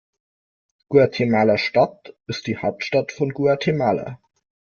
Guatemala-Stadt ist die Hauptstadt von Guatemala.